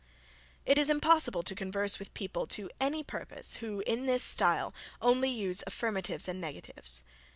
It is impossible to converse with people to any purpose, who, in this style, only use affirmatives and negatives.